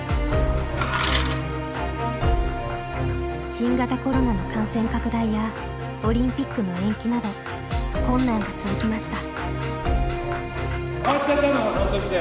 新型コロナの感染拡大やオリンピックの延期など困難が続きました。